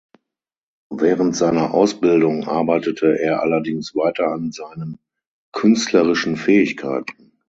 Während seiner Ausbildung arbeitete er allerdings weiter an seinem künstlerischen Fähigkeiten.